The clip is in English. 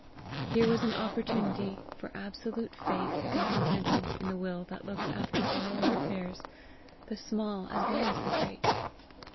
Here was an opportunity for absolute faith and contentment in the will that looks after all our affairs, the small as well as the great.